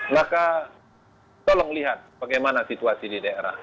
maka tolong lihat bagaimana situasi di daerah